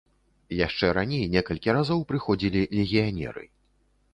Яшчэ раней некалькі разоў прыходзілі легіянеры.